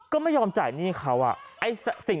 กลับมาพร้อมขอบความ